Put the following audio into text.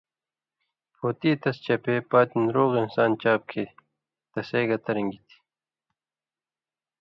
پھوتی تس چپے پاتیُون رُوغ انسان چاپ کھیں تسے گتہ رِن٘گیۡ تھی۔